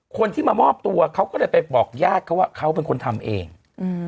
คนที่มามอบตัวเขาก็เลยไปบอกญาติเขาว่าเขาเป็นคนทำเองอืม